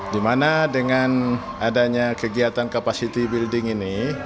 di mana dengan adanya kegiatan capacity building ini